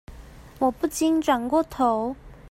我不禁轉過頭